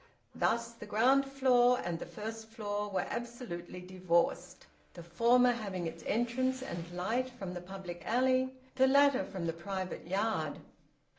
Thus the ground floor and the first floor were absolutely divorced, the former having its entrance and light from the public alley, the latter from the private yard.